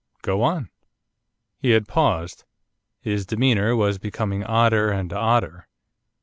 Go on.' He had paused. His demeanour was becoming odder and odder.